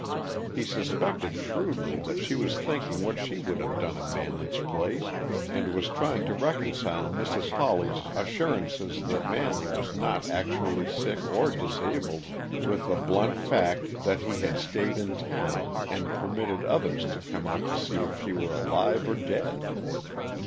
He suspected shrewdly that she was thinking what she would have done in Manley's place, and was trying to reconcile Mrs. Hawley's assurances that Manley was not actually sick or disabled with the blunt fact that he had stayed in town and permitted others to come out to see if she were alive or dead.